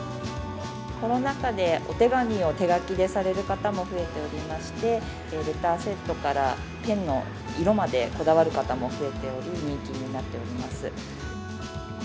コロナ禍でお手紙を手書きでされる方も増えておりまして、レターセットからペンの色まで、こだわる方も増えており、人気になっております。